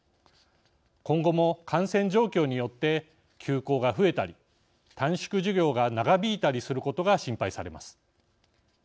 今後も感染状況によって休校が増えたり短縮授業が長引いたりすることが心配されます。